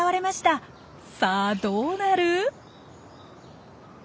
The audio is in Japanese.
さあどうなる？